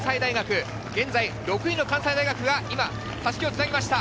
現在、６位の関西大学が今、襷を繋ぎました。